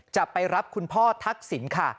จะไปรับคุณพ่อทักษิณค่ะ